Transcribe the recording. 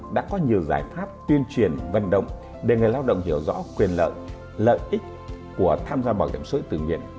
đã có nhiều giải pháp tuyên truyền vận động để người lao động hiểu rõ quyền lợi lợi ích của tham gia bảo hiểm sội tự nguyện